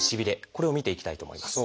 これを見ていきたいと思います。